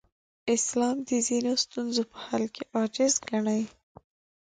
اسلام د ځینو ستونزو په حل کې عاجز ګڼي.